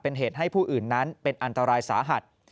เป็นเหตุให้ผู้อื่นนั้นเป็นอันตรายสาหัส